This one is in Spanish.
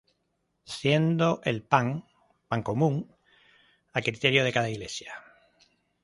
Siendo el pan, pan común, a criterio de cada iglesia.